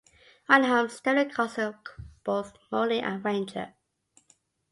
Running home, Stephanie calls both Morelli and Ranger.